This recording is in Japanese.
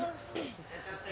いらっしゃいませ。